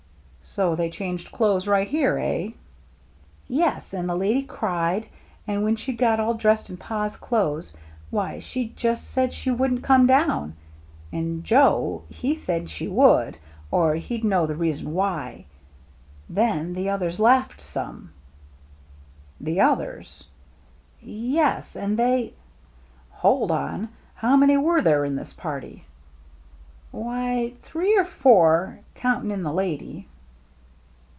" So they changed clothes right here, eh ?" "Yes, and the lady cried, and when she'd got all dressed in Pa's clothes, why, she just said she wouldn't come down. And Joe, he said she would, or he'd know the reason why. Then the others laughed some —"'' The others r' ' "Yes, and they —"" Hold on ! How many were there in this party ?"" Why, three or four, counting in the lady."